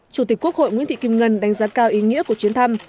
chủ tịch quốc hội nguyễn thị kim ngân đánh giá cao ý nghĩa của chuyến thăm